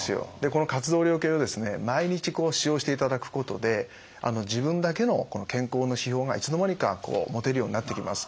この活動量計を毎日使用していただくことで自分だけの健康の指標がいつの間にか持てるようになってきます。